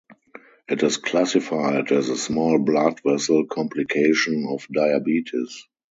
It is classified as a small blood vessel complication of diabetes.